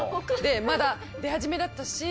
まだ出始めだったし。